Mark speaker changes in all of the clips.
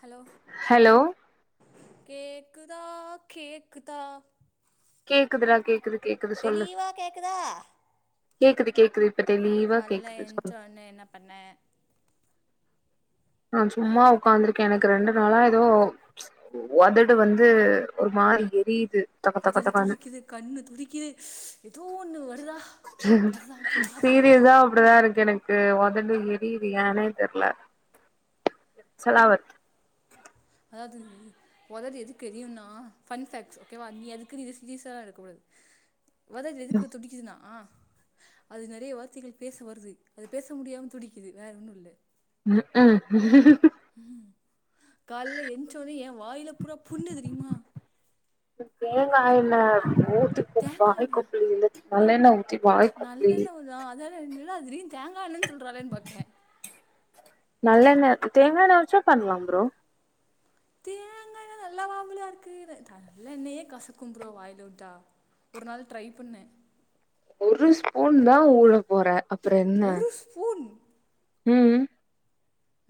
Speaker 1: Hello
Speaker 2: hello
Speaker 1: கேக்குதா கேக்குதா
Speaker 2: கேக்குதுடா கேக்குது கேக்குது சொல்லு
Speaker 1: தெளிவா கேக்குதா
Speaker 2: கேக்குது கேக்குது இப்ப தெளிவா
Speaker 1: கால்ல
Speaker 2: கேக்குது
Speaker 1: எந்ச்ச
Speaker 2: சொல்லு
Speaker 1: ஒட்னே என்ன பண்ண
Speaker 2: நா சும்மா உக்காந்துருக்கே எனக்கு ரெண்டு நாளா எதோ ஒதடு வந்து ஒரு மாரி எரிது
Speaker 1: ஒதடு துடிக்குது கண்ணு துடிக்குது எதோ ஒண்ணு வருதா அதுதா காதல்
Speaker 2: சீரியஸா அப்டிதா இருக்கு எனக்கு ஒதடு எரிது ஏனே தெர்ல சலாவத்
Speaker 1: அதாவது ஒதடு எதுக்கு எரியும்னா பன் பேக்ட்ஸ் ஓகேவா நீ அதுக்குன்னு எது சீரிசாலா இருக்கக்கூடாது ஒதடு எதுக்கு துடிக்குதுனா அது நெறைய வார்த்தைகள் பேச வருது அது பேச முடியாம துடிக்குது வேற ஒன்னு இல்ல
Speaker 2: ம் கும்
Speaker 1: காலேல எந்ச்சவுனே ஏ வாயில பூரா புண்ணு தெரியுமா
Speaker 2: தேங்கா எண்ண ஊத்தி கொப்
Speaker 1: தேங்கா
Speaker 2: வாய்
Speaker 1: எண்ணெயா
Speaker 2: கொப்புளில நல்லெண்ண ஊத்தி வாய் கொப்புளி
Speaker 1: உப்புதா அதாடா என்னடா திடீர்னு தேங்கா எண்ணன் சொல்றாலேன் பாக்கே
Speaker 2: நல்லெண்ண தேங்கா எண்ண வச்சே பண்லா ப்ரோ
Speaker 1: தேங்கா எண்ண நல்லாவாபுல இருக்கு நல்ல எண்ணயே கசக்கு ப்ரோ வாய்ல உட்டா ஒரு நாள் ட்ரை பண்ணு
Speaker 2: ஒரு ஸ்பூன் தா ஊல போறே அப்
Speaker 1: ஒரு ஸ்பூன்
Speaker 2: ம்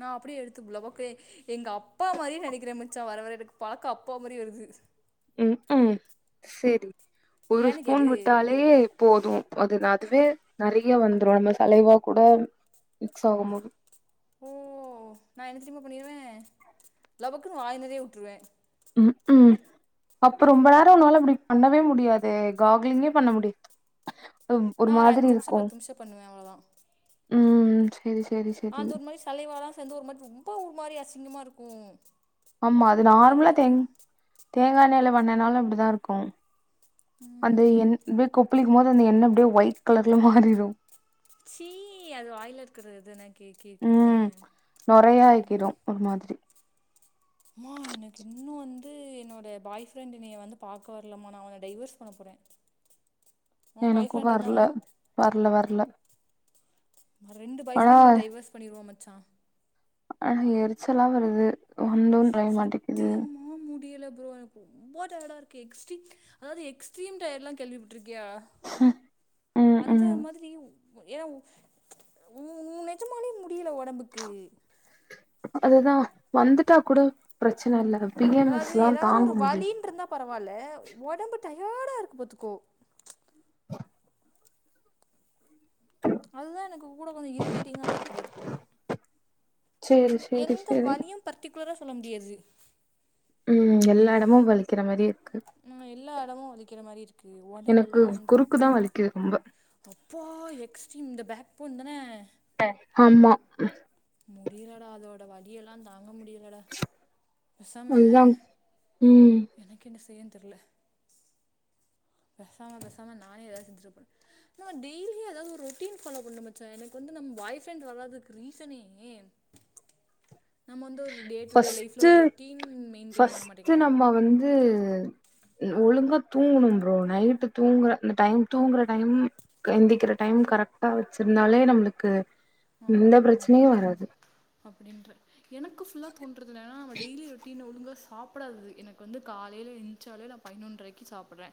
Speaker 1: நா அப்படியே எடுத்து புள் லவக்கே எங்க அப்பா மாறின் நெனக்கிற மச்சா வர வர எனக்கு பாக்க அப்பா மாரி வருது
Speaker 2: ம்கும் செரி ஒரு
Speaker 1: ஏன்னு
Speaker 2: ஸ்பூன்
Speaker 1: கேளு
Speaker 2: விட்டாலே போது அது அதுவே நெறைய வந்துரு நம்ம சலய்வா கூட மிக்ஸ் ஆகும் போது
Speaker 1: ஓ நா என்னத்ததெமா பண்ணிடுவே லவக்குனு வாய் நெறைய உட்ருவே
Speaker 2: ம்க்ம் அப்போ ரொம்ப பேரோ உன்னால அப்டி பண்ணவே முடியாதே காக்லிங்கே பண்ண முடியாத்
Speaker 1: நா ஒரு அஞ்சி நிம்ஷோ பத்து நிம்ஷோ பண்ணுவே அவ்ளோதா
Speaker 2: ம் செரி செரி
Speaker 1: அந்த ஒரு மாரி சலய்வாலா சேந்து ஒரு மாரி ரொம்போ மாரி அசிங்கமா இருக்கு
Speaker 2: ஆமா அது நார்மலா
Speaker 1: அதனால
Speaker 2: தேங் தேங்காஎண்ணெய்ல பண்ணினால அப்டிதா இருக்கு அந்த
Speaker 1: ம்
Speaker 2: எண் ப்பே கொப்பளிக்கும் போது அந்த எண்ணெ அப்டியே ஒயிட் கலர்ல மாறிரு
Speaker 1: சீ அது வாயில இருக்குறது நா கே கேக்கிதுன
Speaker 2: ம் நொறையா ஆக்கிரு ஒரு மாதிரி
Speaker 1: மா எனக்கின்னு வந்து என்னோட பாய் ஃப்ரெண்டு எனைய வந்து பாக்க வரலமா நா அவன டைவர்ஸ் பண்ண போறே உ பாய் ஃப்ரெண்ட் வந்தானா
Speaker 2: வர்ல வர்ல
Speaker 1: [unintelligible] ரெண்டு பாய் ஃப்ரெண்டு டைவஸ் பண்ணிருவோ மச்சா
Speaker 2: ஆனா எரிச்சலா வருது வந்து தொலய மாட்டிக்கிது
Speaker 1: ம் முடியல ப்ரோ எனக்கு ரொம்ப டயடா இருக்கு எக்ஸ்ட்ரீம் அதாவது எக்ஸ்ட்ரீம் டய்ட்லா கேள்வி ப ட்ருக்கியா
Speaker 2: ம்
Speaker 1: அந்த
Speaker 2: ம்
Speaker 1: மாதிரி ஏனா உ உ நெஜமாலே முடியில ஒடம்புக்கு
Speaker 2: அதுதா வந்துட்டா கூட ப்ரெச்சன இல்ல பி எம்
Speaker 1: அதாவது
Speaker 2: எஸ்லா
Speaker 1: எதாவ்து
Speaker 2: தாங்க
Speaker 1: ஒரு
Speaker 2: முடியு
Speaker 1: வலின்ருந்தா பரவால்ல ஒடம்பு டயடா இருக்கு பாத்துக்கோ அதுதா எனக்கு கூட கொஞ்சோ இரிட்டேட்டிங்காகவே இருக்கு பாத்துக்கோ
Speaker 2: சேரி சேரி
Speaker 1: எந்த
Speaker 2: சேரி
Speaker 1: வலியூ பர்டிகுலரா சொல்ல முடியாது
Speaker 2: ம் எல்லா எடமு வலிக்கிற மாரி இருக்கு
Speaker 1: ம் எல்லா எடமு வலிக்கிற மாரி இருக்கு ஒடம்பெல்லா வந்து
Speaker 2: கிது ரொம்ப
Speaker 1: அப்பா எக்ஸ்ட்ரீம் இந்த பேக் போன் தான
Speaker 2: ஆமா
Speaker 1: முடியலட அதோட வலியெல்லாம் தாங்க முடிய டயடா பெசாம
Speaker 2: அதுதா ம்
Speaker 1: எனக்கென்ன செய்யன் தெர்ல பெசாம பெசாம நானே எதாவ்து செஞ்சுறப்போற நா டெய்லியி எதாவ்து ஒரு ரொட்டீன் ஃபாலோ பண்ணு மச்சா எனக்கு வந்து நம் பாய் ஃப்ரெண்ட் வராதுக்கு ரீசனே நம்ம வந்து ஒரு டே டு டே லைஃப்ல
Speaker 2: ஃபஸ்ட்டு
Speaker 1: ஒரு ரொட்டீன் மெயின்டெயின் பண்ண
Speaker 2: ஃபஸ்ட்டு
Speaker 1: மாட்டேங்கிறோம்
Speaker 2: நம்ம வந்து ஒழுங்கா தூங்கணும் ப்ரோ நைட்டு தூங்குற இந்த டைம் தூங்குற டைம் எந்திக்கிற டைம் கரெக்டா வெச்சிருந்தாலே நம்ளுக்கு எந்த ப்ரச்சனயு வராது
Speaker 1: அப்படின்ற எனக்கு ஃபுல்லா தோன்றது என்னனா நம டெய்லி ரொ ட்டின்னு ஒழுங்கா சாப்பிடாதது எனக்கு வந்து காலையில எந்ச்சாலே நா பய்னொன்ரைக்கு சாப்பிறே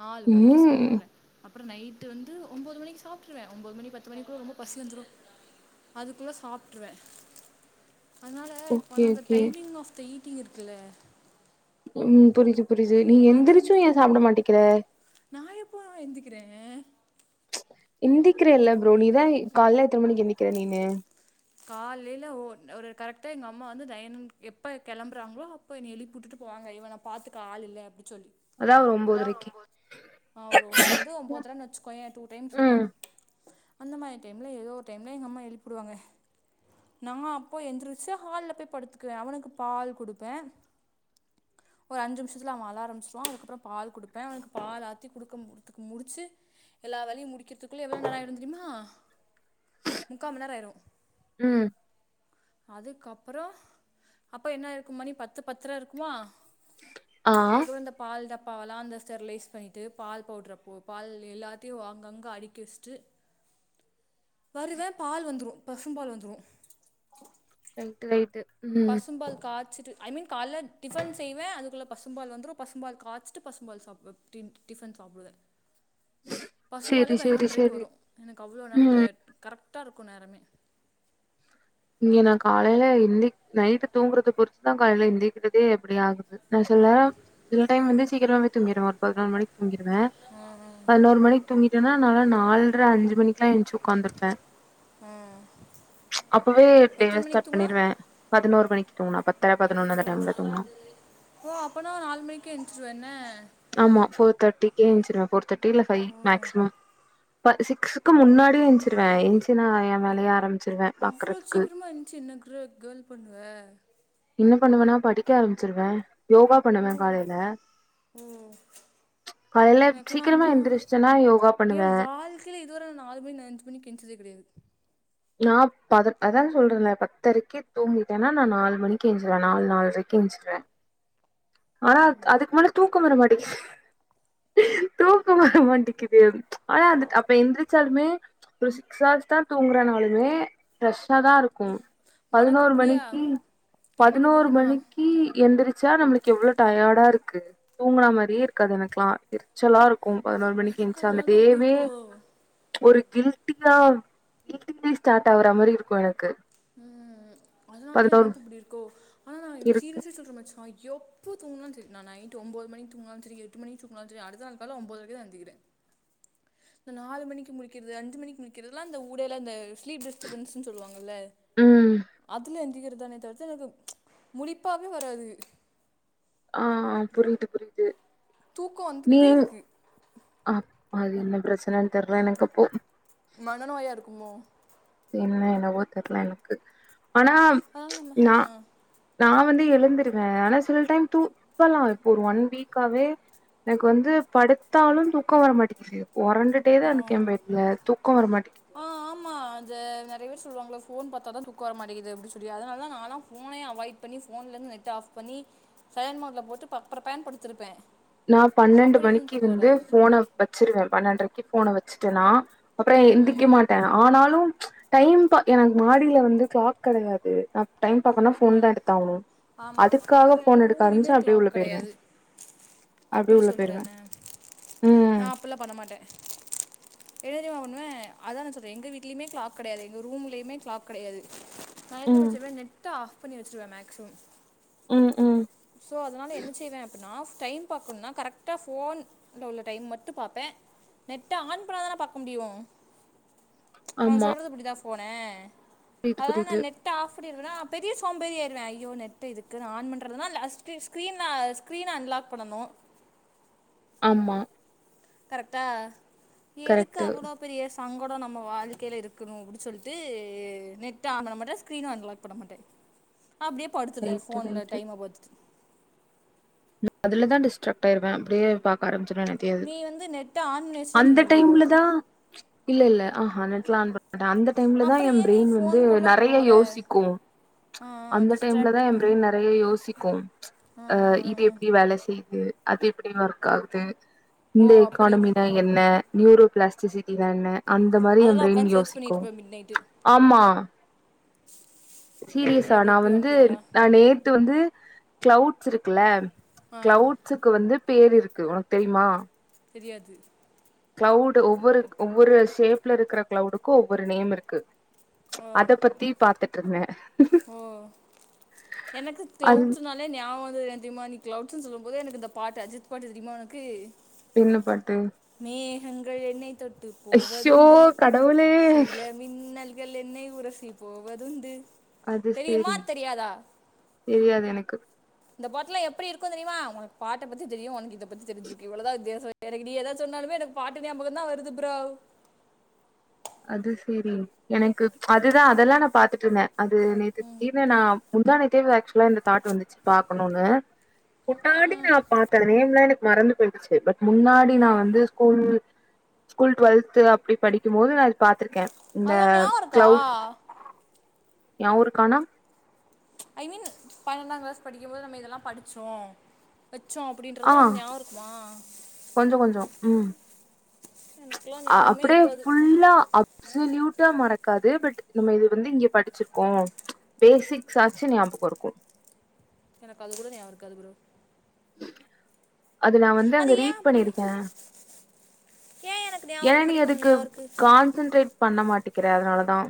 Speaker 1: நாலு மணிக்கு
Speaker 2: ம்
Speaker 1: சாப்பிற்றே அப்புறோ நைட்டு வந்து உம்போது மணிக்கு சாப்ட்ருவே உம்போது மணி பத்து மணிக்குள்ள ரொம்ப பசி வந்துரு அதுக்குள்ள சாப்ட்ருவே அதனால
Speaker 2: ஓகே
Speaker 1: இப்போலா அந்த
Speaker 2: okay
Speaker 1: timing of the eating இருக்குல்ல
Speaker 2: ம் புரியிது புரியிது நீ எந்திரிச்சு ஏ சாப்ட மாட்டேக்கிற
Speaker 1: நா எப்போ நா எந்திக்கிறே
Speaker 2: எந்திக்கிறேல்ல ப்ரோ நீதா கால்ல எத்தன மணிக்கி எந்திக்கிற நீனு
Speaker 1: காலேல ஓ ஒரு கரெக்ட்டா எங்க அம்மா வந்து நயன் எப்ப கெளம்புறாங்களோ அப் ப என்ன எழுப்பி விட்டுட்டு போவாங்க இவன பாத்துக்க ஆள் இல்ல அப்டி சொல்லி
Speaker 2: அதா ஒரு ஒம்போதரைக்கி
Speaker 1: ஆ ஒரு ஒம்போது ஒம்போதரனு வச்சுக்கோயே டூ டைம்ஸ் இருக்கு
Speaker 2: ம்.
Speaker 1: அந்த மாரி டைம்ல ஏதோ ஒரு டைம்ல எங்க அம்மா எழுப்பிடுவாங்க நா அப்போ எந்திருச்சி ஹால்ல போய் படுத்துக்குவே அவனுக்கு பால் குடுப்பே ஒரு அஞ்சி நிமிசத்துல அவே அழ ஆரம்பிச்சிருவா அதுக்கப்பறோ பால் குடுப்பே அவனுக்கு பால் ஆத்தி குடுக்க முடிச்சி எல்லா வேலையு முடிக்கிறதுக்குள்ள எவ்ள நேரோ ஆயிடு தெரியுமா முக்கா மண் நேரோ ஆயிரு
Speaker 2: ம்
Speaker 1: அதுக்கப்பறோ அப்ப என்ன இருக்கு மணி பத்து பத்தர இருக்குமா
Speaker 2: ஆ.
Speaker 1: அதுக்கூட இந்த பால் டப்பாவெல்லா அந்த ஸ்டெர்லைஸ் பண்ணிட்டு பால் பவுட்ரப்போ பால் எல்லாத்தையு அங்கங்க அடிக்க வச்ட்டு வருவே பால் வந்துரு பசும் பால் வந்துரு
Speaker 2: டென்த்து லேட்டு
Speaker 1: பசும்பால் காச்சிட்டு ஐ மீன் கால்ல டிஃபன் செய்வே அதுக்குள்ள பசும்பால் வந்துரு பசும்பால் காச்சிட்டு பசும்பால் சாப்டுவே டின் டிஃபன் சாப்டுவே பசும்பாலே
Speaker 2: சரி, சரி,
Speaker 1: பதினொன்றரைக்கு
Speaker 2: சரி.
Speaker 1: வரு எனக்கு அவ்ளோ நேரோ
Speaker 2: ம்.
Speaker 1: டயர்ட் கரெக்டா இருக்கு நேரமே
Speaker 2: இங்க நா காலேல எந்திக் நைட்டு தூங்குறத பொறுத்துதா காலேல எந்திக்கிறதே அப்டி ஆகுது நா சில நேரம் சில டைம் வந்து சீக்கிரமே தூங்கிருவே ஒரு பதினோரு மணிக்கி தூங்கிருவே
Speaker 1: ம் ம்
Speaker 2: பதினோரு மணிக்கி தூங்கிட்டேன்னா நாலா நால்ற அஞ்சி மணிக்குல்லா எந்திச்சி உக்காந்துருப்பே
Speaker 1: ம்
Speaker 2: அப்பவே டேவ
Speaker 1: எத்தன மணிக்கு
Speaker 2: ஸ்டார்ட்
Speaker 1: தூங்குனா
Speaker 2: பண்ணிருவே பதினோரு மணிக்கு தூங்குனா பத்தரை பதினொன்னு அந்த டைம்ல தூங்குனா
Speaker 1: ஓ அப்பன்னா நாலு மணிக்கே எந்திச்சிருவ என்ன
Speaker 2: ஆமா ஃபோர் தேர்ட்டிக்கே எந்திச்சிருவே ஃபோர் தேர்ட்டி இல்ல ஃபைவ்
Speaker 1: ஓ
Speaker 2: மேக்சிமம் அப்ப சிக்ஸுக்கு முன்னாடியே எஞ்சிருவே எஞ்ச்சி நா ஏ வேலைய ஆரம்
Speaker 1: அவ்ளோ சீக்கரமா எந்திச்சி என்ன க கேர்ள் பண்ணுவ
Speaker 2: என்ன பண்ணுவேன்னா படிக்க ஆரம்பிச்சிருவே யோகா பண்ணுவே காலேல
Speaker 1: ஓ
Speaker 2: காலேல
Speaker 1: எனக்கெல்லாம்
Speaker 2: சீக்கிரமா எந்திரிச்சிட்டேன்னா யோகா பண்ணுவே
Speaker 1: இல்ல இதுவர நா ஆறு மணி அஞ்சி மணிக்கி நா எந்திச்சதே கெடையாது
Speaker 2: நா பத அதா சொல்றேல்ல பத்தரைக்கி தூங்கிட்டேன்னா நா நாலு மணிக்கி எஞ்சிருவே நாலு நாலுரைக்கு எஞ்சிருவே ஆனா அதுக்கு மேல தூக்கம் வர மாட்டேக்கி தூக்கம் வர மாட்டிக்கிது ஆனா அது அப்ப எந்திரிச்சாலுமே ஒரு சிக்ஸ் அவர்ஷ்தா தூங்குறனாலுமே ஃப்ரெஷ்ஷாதா இருக் கு
Speaker 1: உனக்கு
Speaker 2: பதினோரு
Speaker 1: அப்படியா
Speaker 2: மணிக்கி
Speaker 1: எனக்கு எப்படி
Speaker 2: பதினோரு
Speaker 1: தெரியுமா
Speaker 2: மணிக்கி எந்திரிச் சா நம்மளுக்கு எவ்ளோ டயர்டா இருக்கு தூங்குன மாரியே இருக்காது எனக்குல்லா எரிச் சலா இருக்கு பதினோரு மணிக்கு
Speaker 1: எனக்கு
Speaker 2: ஏந்திச்சா அந்த
Speaker 1: அதனால தான் அப்படி
Speaker 2: டேவே
Speaker 1: இருக்கோ
Speaker 2: ஒரு கில்ட்டிங்கா கில்ட்டிலயே ஸ்டார்ட் ஆகுற மாரி இருக்கு எனக்கு
Speaker 1: ம் அதனாலதா எனக்கு இப்டி இருக்கோ ஆனா நா
Speaker 2: இருக்கு.
Speaker 1: சீரியஸா சொல்றே மச்சா எப் ப தூங்குனாலு சரி நா நைட்டு ஒம்போது மணிக்கு தூங்குனாலு சரி எட்டு மணிக்கு தூங்குனாலு சரி அடுத்த நாள் கால்ல ஒம்போதரைக்குதா எந்திக்குறே இந்த நாலு மணிக்கு முழிக்கிறது அஞ்சு மணிக்கு முழிக்கிறதுலா அந்த ஊடைல அந்த ஸ்லீப்லெஸ் டிஸ்டபன்ஸ்ன்னு சொல்லுவாங்கல்ல
Speaker 2: ம்.
Speaker 1: அதுல எந்திக்கதானே தவிர்த்து எனக்கு முழிப்பாவே வராது
Speaker 2: ஆ புரியுது புரியுது
Speaker 1: தூக்கோ வந்துகிட்டே இருக்கு
Speaker 2: ஆ அது என்ன பிரச்சனைன் தெர்ல எனக்கப்போ
Speaker 1: மனநோயா இருக்குமோ
Speaker 2: என்ன என்னவோ தெர்ல எனக்கு ஆனா
Speaker 1: ஆன்ன ஹா
Speaker 2: நா வந்து எழுந்தருவே ஆனா சில டைம் தூப்பல்லா இருக்கு ஒரு ஒன் வீக்காவே எனக்கு வந்து படுத்தாலு தூக்கோ வர மாட்டேங்கிது ஒறண்டு ட்டே தா
Speaker 1: ஆ
Speaker 2: இருக்கே பெட்ல தூக்கோ வர மாட்டேங்குது
Speaker 1: ஆ ஆமா அது நிறைய பேர் சொல்லுவாங்கள்ள போன் பாத்தா தா தூக்க வர மாட்டேங்குது அப்டி சொல்லி அதனால தா நால்லா போனே அவாய்ட் பண்ணி போன்ல இருந்து நெட் ஆஃப் பண்ணி சைலன்ட் மோட்ல போட்டு பப்பரப்பேன்னு படுத்திருப்பே
Speaker 2: நா பன்னெண்டு
Speaker 1: அப்படி இருந்து
Speaker 2: மணிக்கு
Speaker 1: தூக்க
Speaker 2: வந்து
Speaker 1: வராது
Speaker 2: போன வச்சிருவே பன்னெண்டரைக்கு போனை வச்சுட்டேன்னா அப்பறோ எந்திக்க
Speaker 1: ம்
Speaker 2: மாட்டே ஆனாலு டைம் எனக்கு மாடியில வந்து கிளாக் கிடையாது டைம் பாக்கனா
Speaker 1: ஆ
Speaker 2: போன் தா எடுத்த ஆணும்
Speaker 1: ஆமா ஆமா
Speaker 2: அதுக்காக
Speaker 1: எங்க
Speaker 2: போன் எடுக்க
Speaker 1: ரூம்லயுமே
Speaker 2: ஆரம்பிச்சு அப்டியே உள்ள போயிருவே
Speaker 1: அப்டி சொல்றே என்ன நா
Speaker 2: ம்.
Speaker 1: அப்டில்லா பண்ண மாட்டே என்ன தெரியுமா பண்ணுவே அதா நா சொல்றே எங்க வீட்லயுமே க்ளாக் கெடையாது எங்க ரூம்லயுமே கிளாக் கெடையாது நா என்ன பண்ணி
Speaker 2: ம்.
Speaker 1: வச்சுருவே நெட்ட ஆஃப் பண்ணி வச்சிருவே மேக்சிமம்
Speaker 2: ம். ம்.
Speaker 1: சோ அதனால என்ன செய்வே அப்டின்னா டைம் பாக்கணும்னா கரெக்டா போன் ல உள்ள டைம் மட்டு பாப்பே நெட்ட ஆன் பண்ணாதான பாக்க முடியு அவங்
Speaker 2: ஆமா.
Speaker 1: சொல்றது புரிதா ஃபோனு
Speaker 2: புரியுது,
Speaker 1: அதனால நா
Speaker 2: புரியுது.
Speaker 1: நெட்ட ஆஃப் பண்ணிருவன்னா பெரிய சோம்பேறி ஆயிடுவே ஐயோ நெட்டு இதுக்கு நான் ஆ பண்ணுறதுன்னா லாஸ்ட்டு ஸ்கரீன்ல ஸ்க்ரின அன்லாக் பண்ணணு
Speaker 2: ஆமா
Speaker 1: கரெக்டா எதுக்கு
Speaker 2: கரெக்ட்டு.
Speaker 1: அவ்ளோ பெரிய சங்கடோ வாழ்க்கையில இருக்கணு அப்டின்னு சொல்லிட்டு நெட் ஆன் பண்ண மாட்டே ஸ்கிரீனு அன்லாக் பண்ண மாட்டே அப்டியே படுத்துருவே
Speaker 2: ரைட்டு,
Speaker 1: போன்ல
Speaker 2: ரைட்.
Speaker 1: டைம பாத்துட்டு
Speaker 2: அதுல தா டிஸ்டர்ப் ஆயிருவே அப்டியே பாக்க ஆரம்பச்சுருவேன்ன தே
Speaker 1: நீ வந்து நெட்டை ஆன் பண்ணி வச்சுட்டே
Speaker 2: அந்த
Speaker 1: தூங்கிடுவியோ
Speaker 2: டைம்ல தா இல்ல இல்ல ஆ நா நெட்லா ஆன் பண்ணமாட்டே அந்த அந்த டைம்ல தா
Speaker 1: அப்புறோ
Speaker 2: எ
Speaker 1: ஏ நீ
Speaker 2: ப்ரைன் வந்து
Speaker 1: ஃபோனுக்குள்ள
Speaker 2: நிறைய
Speaker 1: போற
Speaker 2: யோசிக்கு
Speaker 1: ஆ
Speaker 2: அந்த டைம்ல
Speaker 1: டிஸ்ட்ராக்ட்
Speaker 2: தா ஏ
Speaker 1: ஆ
Speaker 2: ப்ரைன் நிறைய யோசிக்கு ஹ இது
Speaker 1: ஆ
Speaker 2: எப்டி வேலை செய் து அது எப்டி ஒர்க் ஆகுது
Speaker 1: ஓ
Speaker 2: இந்த
Speaker 1: அப்டி
Speaker 2: எக்கானமி தா என்ன நியூரோ பிளாஸ்டி சிட்டினா என்ன அந்த மாரி ஏ
Speaker 1: அதெல்லா
Speaker 2: ப்ரெயின்
Speaker 1: உக்காந்து சர்ச்
Speaker 2: யோசிக்கு
Speaker 1: பண்ணிட்ருப்ப மிட் நைட்டு
Speaker 2: ஆமா
Speaker 1: தேவையா
Speaker 2: சீரியஸா நா
Speaker 1: கோபி
Speaker 2: வந்து
Speaker 1: ஒனக்கு இதெல்லா
Speaker 2: நா நேத்து வந்து க்ளவுட்ஸ் இருக்குல
Speaker 1: ஆ
Speaker 2: க்ளவுட்ஸுக்கு வந்து பேரு இருக்கு உனக்கு தெரியுமா
Speaker 1: தெரியாது
Speaker 2: க்ளவுடு் ஒவ்வொரு ஒவ்வொரு ஷேப்ல இருக்கிற க்ளவுடுக்கு ஒவ்வொரு நேம் இருக்கு
Speaker 1: ஓ
Speaker 2: அத பத்தி பாத்துட்டு இருந்தே
Speaker 1: ஓ
Speaker 2: அது
Speaker 1: தா ஞாபோ வந்தது என்ன தெரியுமா நீ கிளவுட்ஸ்ன்னு சொல்லும் போதே எனக்கு இந்த பாட்டு அஜித் பாட்டு தெரியுமா உனக்கு
Speaker 2: என்ன பாட்டு
Speaker 1: மேகங்கள் என்னை தொட்டு
Speaker 2: ஐயோ
Speaker 1: போவதுண்டு
Speaker 2: கடவுளே
Speaker 1: சில மின்னல்கள் என்னை உரசி போவதுண்டு
Speaker 2: அது
Speaker 1: தெரியுமா
Speaker 2: சேரி
Speaker 1: தெரியாதா
Speaker 2: தெரியாது எனக்கு
Speaker 1: இந்த பாட்டுலாம் எப்டி இருக்கும்ன்னு தெரியுமா உனக்கு பாட்ட பத்தி தெரியும் உனக்கு இதை பத்தி தெரிஞ்சிருக்கு இவ்ளோதா வித்தியாசம் எனக்கு நீ ஏதா சொன்னாலுமே எனக்கு பாட்டு ஞாபக தான் வருது ப்ரோ
Speaker 2: அது சேரி எனக்கு அதுதான் அதெல்லாம் நான் பாத்துட்டு இருந்தேன் அது நேற்று திடீர்னு நா முந்தா நேத்தே ஆக்சுவலா இந்த தாட்டு் வந்துச்சு பாக்கணும்னு முன்னாடி
Speaker 1: ம்
Speaker 2: பாத்த நேம்லாம் எனக்கு மறந்து போயிடுச்சு பட் முன்னாடி நான்
Speaker 1: ம்
Speaker 2: வந்து ஸ்கூல் ஸ்கூல் டுவெல்த் அப்டி படிக்கும் போது நா பாத்திருக்கேன் இந்த
Speaker 1: அதுதான் ஞாபகம் இருக்கா
Speaker 2: கிளவுட் ய ஊருக்கானோ
Speaker 1: ஐ மீன் பன்னெண்டாம் கிளாஸ் படிக்கும்போது நம்ம இதெல்லாம் படிச்சோம் வச்சோம்
Speaker 2: ஆ
Speaker 1: அப்படின்றதுலாம் ஞாபகம் இருக்குமா
Speaker 2: கொஞ்சம் கொஞ்சம் ம்
Speaker 1: எனக்குலாம்
Speaker 2: அ
Speaker 1: ஞாபகமே
Speaker 2: அப்டியே
Speaker 1: இருக்காது
Speaker 2: ஃபுல்லா அ சுல்யூட்டா மறக்காது பட் நம்ம இது வந்து இங்க படிச்சிருக்கோம் பேசிக்ஸ்ஸாச்சும் ஞாபகம் இருக்கும்
Speaker 1: எனக்கு அது கூட நியாபகம் இருக்காது ப்ரோ
Speaker 2: அது நான் வந்து
Speaker 1: அது
Speaker 2: அங்க
Speaker 1: ஏன்
Speaker 2: ரீட்
Speaker 1: அப்படி
Speaker 2: பண்ணிருக்கேன்
Speaker 1: ஏன் எனக்கு ஞாபகம்
Speaker 2: ஏன்னா
Speaker 1: இருக்க
Speaker 2: நீ
Speaker 1: மாட்டேங்க உனக்கு
Speaker 2: அதுக்கு
Speaker 1: ஞாபகம் இருக்கு
Speaker 2: கான்சன்ட்ரேட் பண்ண மாட்டேக்கிற அதனாலதான்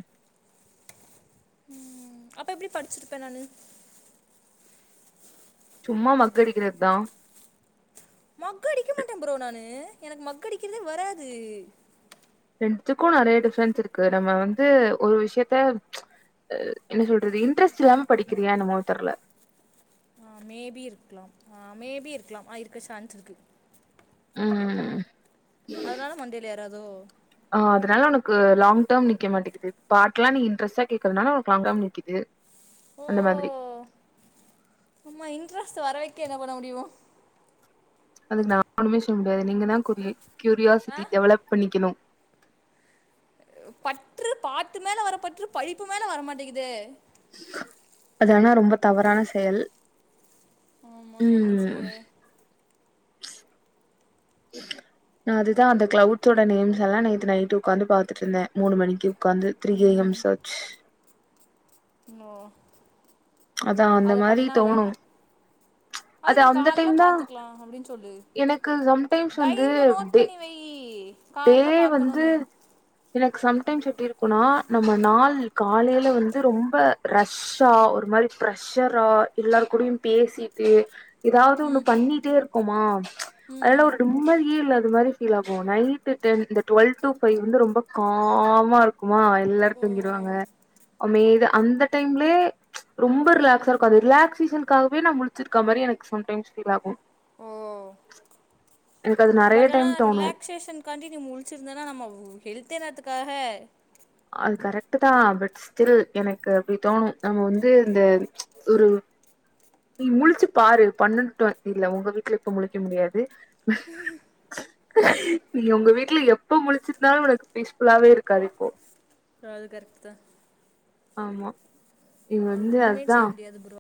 Speaker 1: ம் அப்ப எப்டி படிச்சிருப்பேன் நானு
Speaker 2: சும்மா மக் அடிக்கிறது தான்
Speaker 1: மக்க அடிக்க மாட்டேன் ப்ரோ நானு எனக்கு மக்க அடிக்கிறதே வராது
Speaker 2: ரெண்டுத்துக்கும் நிறைய டிஃப்ரென்ஸ் இருக்கு நம்ம வந்து ஒரு விஷயத்த என்ன சொல்றது இன்ட்ரெஸ்ட் இல்லாம படிக்கிறியா என்னமோ தெர்ல
Speaker 1: ஆ மேபி இருக்கலாம் ஆ மேபி இருக்கலாம் ஆ இருக்க சான்ஸ் இருக்கு
Speaker 2: ம் ம்
Speaker 1: அதனால மண்டைல ஏராதோ
Speaker 2: ஆ அதனால உனக்கு லாங் டேர்ம் நிக்க மாட்டேங்குது பாக்கலாம் நீ இன்டரஸ்டா கேக்குறனால உனக்கு லாங் டேம் நிக்குது
Speaker 1: ஓ
Speaker 2: அந்த மாதிரி
Speaker 1: சும்மா இன்ட்ரெஸ்ட் வரவைக்க என்ன பண்ண முடியும்
Speaker 2: அதுக்கு நான் ஒண்ணுமே சொல்ல முடியாது நீங்க தான் கு
Speaker 1: ஆ
Speaker 2: கியூரியாசிட்டி டெவலப் பண்ணிக்கணும்
Speaker 1: பற்று பாட்டு மேல வர பற்று படிப்பு மேலே வரமாட்டேங்குதே
Speaker 2: அதானா ரொம்ப தவறான செயல்
Speaker 1: ஆமா என்ன
Speaker 2: ம்
Speaker 1: செய்ய
Speaker 2: நான் அதுதான் அந்த கிளவுட்ஸோட நேம்ஸ் எல்லாம் நேத்து நைட் உட்காந்து பாத்துட்டுந்தேன் மூணு மணிக்கு உட்காந்து திரி ஏஎம் சார்
Speaker 1: நோ
Speaker 2: அதான் அந்த மாரி தோணும்
Speaker 1: அது நீ கால்ல பார்த்துக்கலாம் அப்டின்னு சொல்லு
Speaker 2: எனக்கு சம்டைம்ஸ் வந்து
Speaker 1: டைரியில நோட்
Speaker 2: டே
Speaker 1: பண்ணி வய்
Speaker 2: டே
Speaker 1: கால்ல
Speaker 2: வந்து
Speaker 1: பார்க்கணும்னு
Speaker 2: எனக்கு சம்டைம்ஸ் எப்டி இருக்கும்னா நம்ம நாள் காலையில வந்து ரொம்ப ரஷ்ஷா ஒரு மாரி ப்ரெஷரா எல்லார் கூடயும் பேசிட்டு ஏதாவது ஒண்ணு பண்ணிட்டே இரு இருக்கோமா அதனால
Speaker 1: ம்
Speaker 2: ஒரு நிம்மதியே இல்லாத மாரி கீழா போகும் நைட் டென் இந்த டுவெல் டு பைவ் வந்து ரொம்ப காமா இரு இருக்குமா எல்லாரும்
Speaker 1: ஓ
Speaker 2: தூங்கிடுவாங்க அமைதியா அந்த டைம்லயே ரொம்ப ரிலாக்ஸா இருக்கும் அது ரிலாக்ஸ்சேஷன்க்காகவே நான் முளிச்சிருக்க மாரி எனக்கு சம்டைம்ஸ் ஃபீல் ஆகும்
Speaker 1: ஓ
Speaker 2: எனக்கு அது நெறைய
Speaker 1: பட் ஆனா
Speaker 2: டைம் தோணு
Speaker 1: ரிலாக்ஸ்சேஷன் கண்டினியூம் முழச்சிருந்தேன்னா நம்ம ஹெல்த் என்னதுக்காக
Speaker 2: அது கரக்ட்டு தா பட் ஸ்டில் எனக்கு அப்படி தோணு நம்ம வந்து இந்த ஒரு நீ முழுச்சு பாரு பண்ணண்டு டூ இல்ல உங்க வீட்ல இப்ப முழிக்க முடியாது நீ உங்க வீட்ல எப்ப முழிச்சிருந்தாலு உனக்கு பீஸ்ஃபுல்லாவே இருக்காது இப்போ
Speaker 1: அப்பறோ அது கரெக்ட்டு தா
Speaker 2: ஆமா இது
Speaker 1: ஒரு
Speaker 2: வந்து
Speaker 1: ஒண்ணுமே
Speaker 2: அதா
Speaker 1: செய்ய முடியாது ப்ரோ